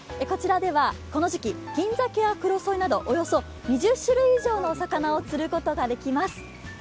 こちらではこの時期、銀じゃけやクロソイなど、およそ２０種類以上のお魚を釣ることができます。